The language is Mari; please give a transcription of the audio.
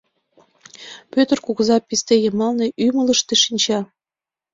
Пӧтыр кугыза писте йымалне, ӱмылыштӧ, шинча.